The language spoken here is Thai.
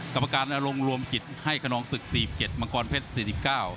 กรรมการอารมณ์รวมกิจให้ขนองศึก๔๗มังกรเพชร๔๙